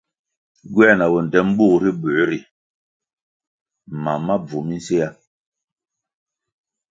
Gywer na bondtem bug ri buěr ri mam ma bvu minséa.